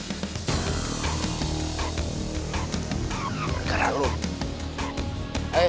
jangan sampai mereka tahu lokasi gue di sini